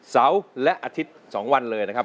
เสาร์และอาทิตย์๒วันเลยนะครับ